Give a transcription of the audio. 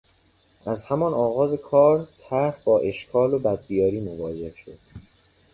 از همان آغاز کار طرح با اشکال و بدبیاری مواجه شد.